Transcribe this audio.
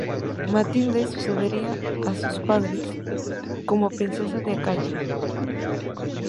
Matilde sucedería a sus padres como princesa de Acaya.